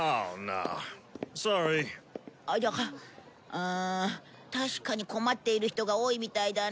うん確かに困っている人が多いみたいだね。